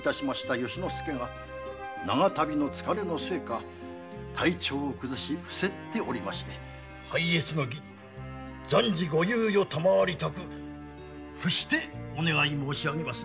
由之助が長旅の疲れのせいか体調を崩し伏せっておりまして拝謁の儀暫時ご猶予を賜りたく伏してお願い申し上げます。